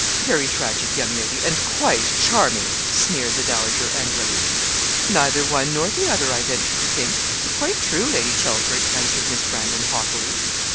'Very tragic, young lady, and quite charming!' sneered the dowager angrily. 'Neither one nor the other, I venture to think; but quite true, Lady Chelford,' answered Miss Brandon, haughtily.